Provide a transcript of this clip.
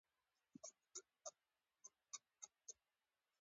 په مخ کې درې ځله پرله پسې صفیل لیکل شوی دی.